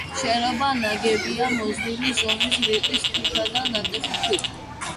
შენობა ნაგებია მოზრდილი ზომის, რიყის ქვითა და ნატეხი ქვით.